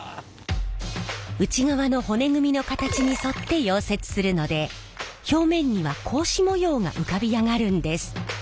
内側の骨組みの形に沿って溶接するので表面には格子模様が浮かび上がるんです。